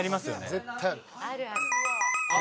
絶対ある。